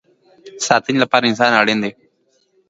د ساتنې لپاره انسان اړین دی